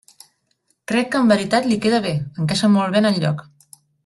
Crec que en veritat li queda bé, encaixa molt bé en el lloc.